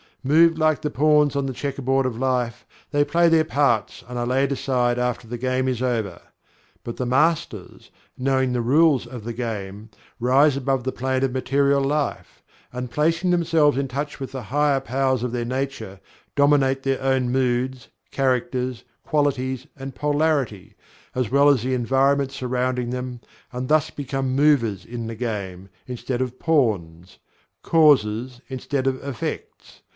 Moved like the pawns on the checkerboard of life, they play their parts and are laid aside after the game is over. But the Masters, knowing the rules of the game, rise above the plane of material life, and placing themselves in touch with the higher powers of their nature, dominate their own moods, characters, qualities, and polarity, as well as the environment surrounding them and thus become Movers in the game, instead of Pawns Causes instead of Effects.